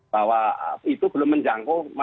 bahwa itu belum menjangkau